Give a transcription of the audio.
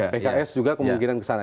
pks juga kemungkinan kesana